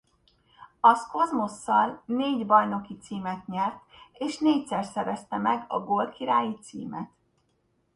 Az Cosmos-szal négy bajnoki címet nyert és négyszer szerezte meg a gólkirályi címet.